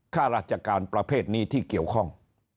ข้าราชการประเภทนี้ที่เกี่ยวข้อง